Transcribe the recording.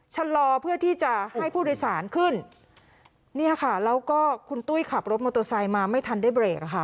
ชะลอเพื่อที่จะให้ผู้โดยสารขึ้นเนี่ยค่ะแล้วก็คุณตุ้ยขับรถมอเตอร์ไซค์มาไม่ทันได้เบรกอะค่ะ